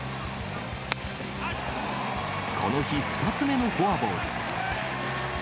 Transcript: この日、２つ目のフォアボール。